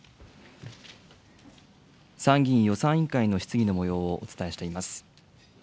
参議院予算委員会の質疑のもようをお伝えしています。